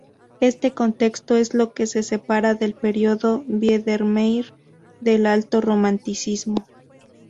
Este contexto es lo que separa el periodo Biedermeier del Alto Romanticismo.